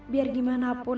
biar gimana pun